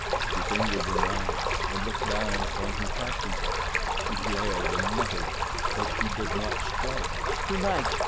She fingered her knife and looked down upon her captive. She glared and muttered but she did not strike. "Tonight!"